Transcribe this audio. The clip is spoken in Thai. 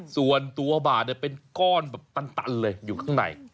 ส่วนตัวบาทเป็นก้อนแบบตันเลยอยู่ข้างใน